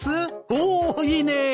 おおいいねー。